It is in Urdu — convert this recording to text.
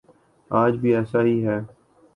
آج بھی ایسا ہی ہے۔